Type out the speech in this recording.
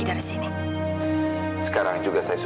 tapi sebagai gantinya